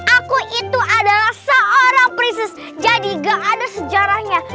aku itu adalah seorang prices jadi gak ada sejarahnya